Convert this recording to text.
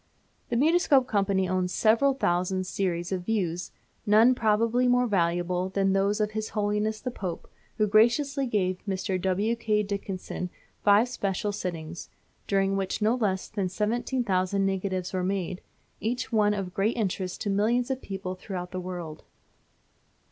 The Mutoscope Company owns several thousand series of views, none probably more valuable than those of his Holiness the Pope, who graciously gave Mr. W. K. Dickson five special sittings, during which no less than 17,000 negatives were made, each one of great interest to millions of people throughout the world.